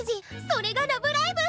それが「ラブライブ！」。